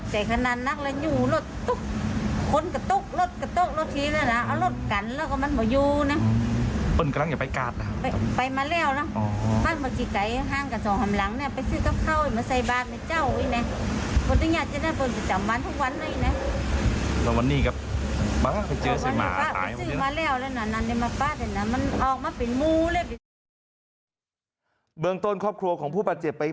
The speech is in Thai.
เจ้าหน้าเบิร์นจะจำวันทุกวันไหมนะ